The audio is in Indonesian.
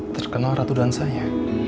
terkenal ratu dansanya